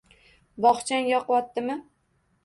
Bog'chang yoqvottimi?